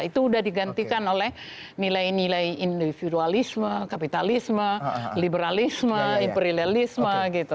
itu udah digantikan oleh nilai nilai individualisme kapitalisme liberalisme imperilalisme gitu